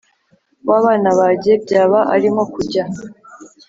wabana bajye byaba ari nkokujya